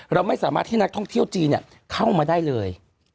เราไม่สามารถให้นักท่องเที่ยวจีนเข้ามาได้เลย